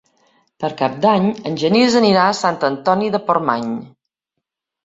Per Cap d'Any en Genís anirà a Sant Antoni de Portmany.